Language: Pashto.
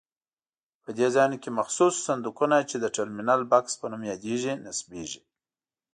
په دې ځایونو کې مخصوص صندوقونه چې د ټرمینل بکس په نوم یادېږي نصبېږي.